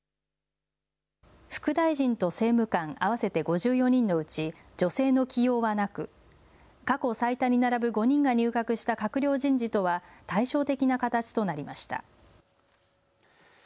副大臣と政務官合わせて５４人のうち女性の起用はなく過去最多に並ぶ５人が入閣した閣僚人事とは対照的な形となりました。